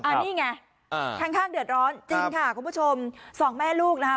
อันนี้ไงข้างเดือดร้อนจริงค่ะคุณผู้ชมสองแม่ลูกนะคะ